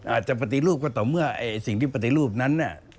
อาจจะปฏิรูปก็ต่อเมื่อสิ่งที่ปฏิรูปนั้นเนี่ย